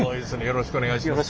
よろしくお願いします。